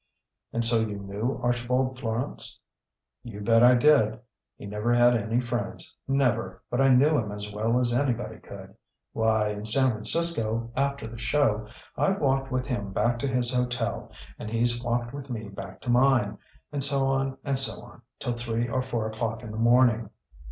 "And so you knew Archibald Florance?" "You bet I did. He never had any friends never but I knew him as well as anybody could. Why, in San Francisco, after the show, I've walked with him back to his hotel, and he's walked with me back to mine, and so on, and so on, till three or four o'clock in the morning.